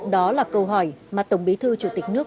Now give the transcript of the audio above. đó là câu hỏi mà tổng bí thư chủ tịch nước